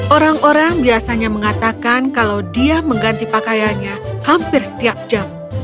orang orang biasanya mengatakan kalau dia mengganti pakaiannya hampir setiap jam